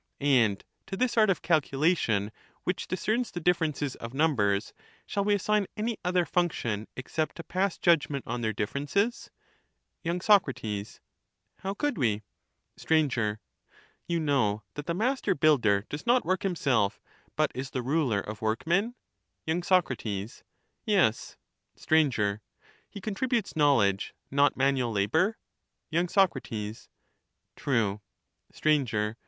And to this art of calculation which discerns the differences of numbers shall we assign any other function except to pass judgment on their differences ? y. Sac. How could we ? Str. You know that the master builder does not work him self, but is the ruler of workmen ? y. Sac. Yes. Str. He contributes knowledge, not manual labour ? y. Sac. True. Str.